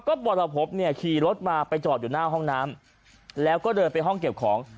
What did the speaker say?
ก็บรพบเนี่ยขี่รถมาไปจอดอยู่หน้าห้องน้ำแล้วก็เดินไปห้องเก็บของ